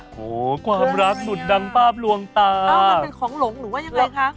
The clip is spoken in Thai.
โหความรักสุดดังภาพลวงตาอ้าวมันเป็นของหลงหรือว่ายังไงคะ